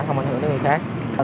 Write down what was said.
không ảnh hưởng tới người khác